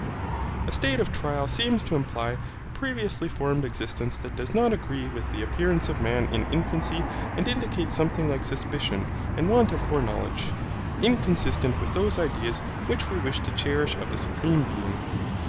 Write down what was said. A state of trial seems to imply a previously formed existence that does not agree with the appearance of man in infancy and indicates something like suspicion and want of foreknowledge, inconsistent with those ideas which we wish to cherish of the Supreme Being.